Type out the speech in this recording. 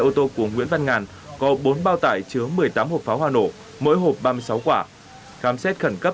ô tô của nguyễn văn ngàn có bốn bao tải chứa một mươi tám hộp pháo hoa nổ mỗi hộp ba mươi sáu quả khám xét khẩn cấp